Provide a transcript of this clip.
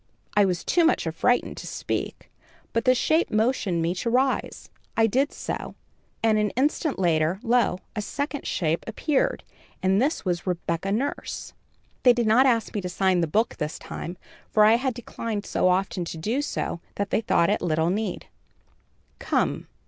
"I was too much affrighted to speak; but the shape motioned me to rise. I did so. An instant later, lo, a second shape appeared, and this was Rebecca Nurse. They did not ask me to sign the book, this time, for I had declined so often to do so, that they thought it little need. "'Come!'